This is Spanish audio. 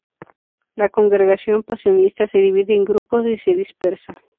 La Congregación Pasionista se divide en grupos y se dispersa.